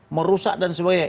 merusak dan sebagainya